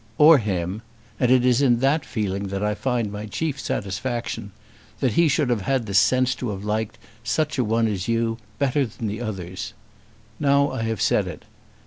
"Or him; and it is in that feeling that I find my chief satisfaction, that he should have had the sense to have liked such a one as you better than others. Now I have said it.